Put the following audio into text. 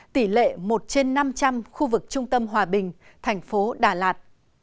tỷ lệ một trên năm trăm linh khu vực trung tâm hòa bình thành phố đà lạt